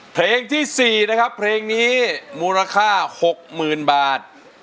เพลงที่๔นะครับเพลงนี้มูลค่า๖๐๐๐บาท